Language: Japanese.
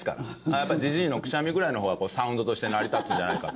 やっぱジジイのくしゃみぐらいの方がサウンドとして成り立つんじゃないかと。